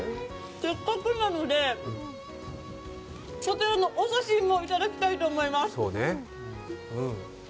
せっかくなので、こちらのお刺身もいただきたいと思います。